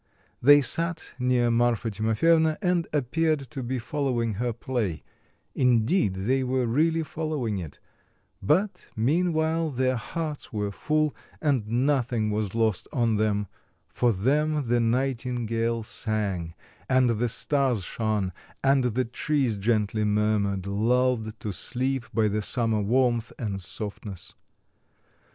They sat near Marfa Timofyevna, and appeared to be following her play; indeed, they were really following it, but meanwhile their hearts were full, and nothing was lost on them; for them the nightingale sang, and the stars shone, and the trees gently murmured, lulled to sleep by the summer warmth and softness.